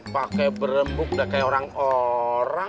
pakai berembuk udah kayak orang orang